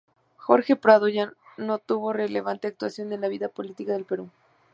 Jorge Prado ya no tuvo relevante actuación en la vida política del Perú.